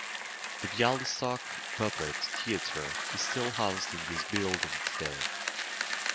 The Bialystok Puppet Theatre is still housed in this building today.